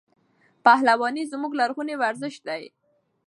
پهلواني زموږ لرغونی ورزش دی.